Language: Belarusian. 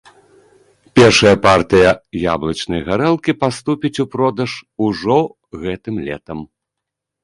Першая партыя яблычнай гарэлкі паступіць у продаж ужо гэтым летам.